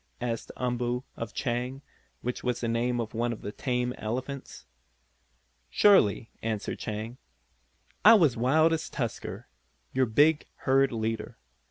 asked Umboo of Chang, which was the name of one of the tame elephants. "Surely," answered Chang, "I was as wild as Tusker, your big herd leader.